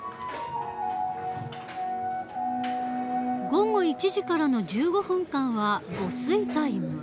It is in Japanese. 午後１時からの１５分間は午睡タイム。